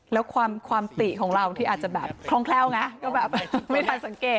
แล้วความติของเราที่อาจจะแบบคล่องแคล่วไงก็แบบไม่ทันสังเกต